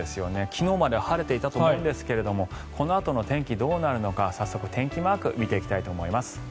昨日までは晴れていたと思うんですけどもこのあとの天気、どうなるのか早速天気マークを見ていきたいと思います。